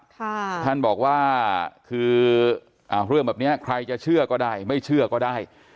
ท่านบอกว่าคืออ่าเรื่องแบบนี้ใครจะเชื่อก็ได้ไม่เชื่อก็ได้